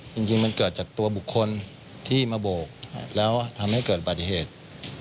จริงมันเกิดจากตัวบุคคลที่มาโบกแล้วทำให้เกิดอุบัติเหตุ